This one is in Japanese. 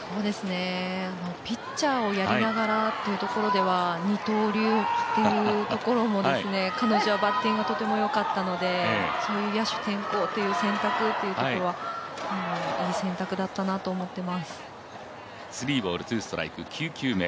ピッチャーをやりながらというところでは二刀流っていうところも彼女はバッティングとてもよかったのでそういう野手転向という選択というところはいい選択だったなと思っています。